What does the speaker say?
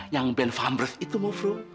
yang ben vanbrus itu maaf maaf